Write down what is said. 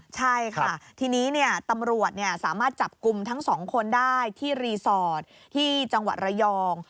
ใช่ค่ะทีนี้ตำรวจสามารถจับกลุ่มทั้งสองคนได้ที่รีสอร์ทที่จังหวัดระยอง